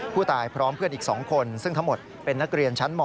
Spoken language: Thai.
พร้อมเพื่อนอีก๒คนซึ่งทั้งหมดเป็นนักเรียนชั้นม๔